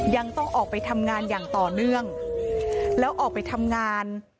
ยังต้องออกไปทำงานอย่างต่อเนื่องแล้วออกไปทำงาน